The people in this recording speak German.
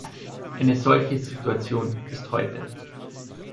Eine solche Situation ist heute.